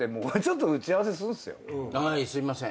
はいすいません。